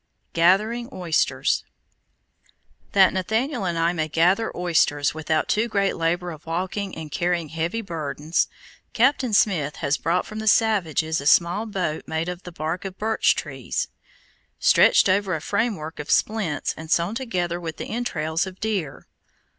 GATHERING OYSTERS That Nathaniel and I may gather oysters without too great labor of walking and carrying heavy burdens, Captain Smith has bought from the savages a small boat made of the bark of birch trees, stretched over a framework of splints, and sewn together with the entrails of deer.